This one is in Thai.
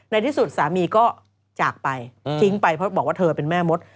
ในที่สุดสามีก็จากไปทิ้งไปเพราะบอกว่าเธอเป็นแม่มด